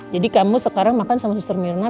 jadi kamu sekarang makan sama suster mirna